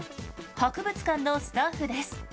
博物館のスタッフです。